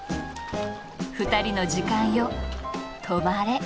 「２人の時間よ止まれ」。